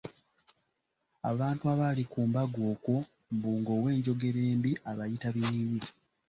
Abantu abaali ku mbaga okwo mbu ng'owenjogera mbi abayita binyinyi.